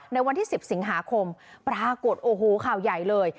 ในวันที่๑๐สิงหาคมปรากฏโอ้โหข่าวใหญ่เลย